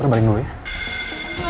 lo balik dulu ya